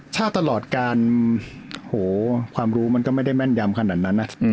ถ้าตลอดการความรู้มันก็ไม่ได้แม่นยำขนาดนั้นนะ